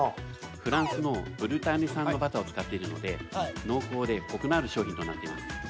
フランスのブルターニュ産のバターを使っているので濃厚でコクのある商品となっています。